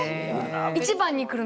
１番に来るの。